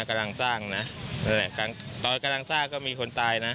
กำลังสร้างนะนั่นแหละตอนกำลังสร้างก็มีคนตายนะ